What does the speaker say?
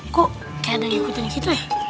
kok kayak ada yang ikutin kita ya